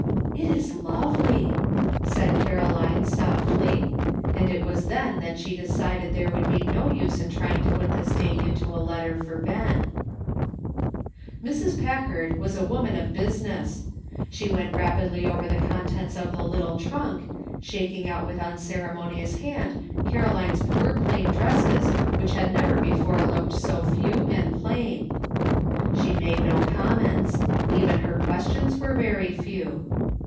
" "It is lovely !" said Caroline softly. And it was then that she decided there would be no use in trying to put this day into a letter for Ben. 220 A LONG, WONDERFUL DAY. Mrs. Packard was a woman of business ; she went rapidly over the contents of the little trunk, shaking out with unceremonious hand Caroline's poor plain dresses which had never before looked so few and plain ; she made no comments, even her questions were very few.